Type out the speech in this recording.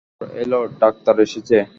খবর এল ডাক্তার এসেছে।